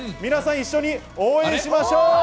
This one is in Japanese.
皆さん一緒に応援しましょう。